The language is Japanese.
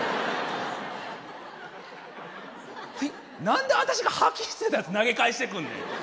何で私が吐き捨てたやつ投げ返してくんねん。